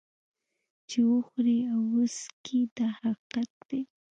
چې وخوري او وڅکي دا حقیقت دی.